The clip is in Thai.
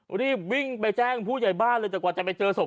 รีบวิ่งไปแจ้งผู้ใหญ่บ้านเลยแต่กว่าจะไปเจอศพ